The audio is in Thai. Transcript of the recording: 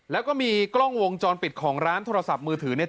แล้วก็มีกล้องวงจรปิดของร้านโทรศัพท์มือถือเนี่ย